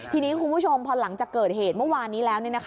ทีนี้คุณผู้ชมพอหลังจากเกิดเหตุเมื่อวานนี้แล้ว